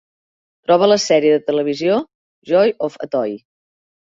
Troba la sèrie de televisió Joy Of A Toy